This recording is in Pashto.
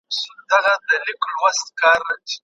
حیات الله په خپل زړه کې یو ډول نا اشنا سکون احساس کړ.